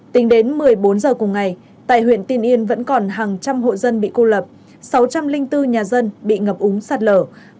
tính đến một mươi bốn giờ cùng ngày tại huyện tình yên vẫn còn hàng trăm hộ dân bị cô lập sáu trăm linh linh tư nhà dân bị ngập úng sạt lở